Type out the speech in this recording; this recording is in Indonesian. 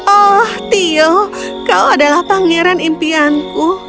oh tio kau adalah pangeran impianku